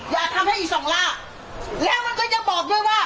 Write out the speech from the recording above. อย่าทำให้อีกสองลากแล้วมันก็ยังบอกด้วยว่า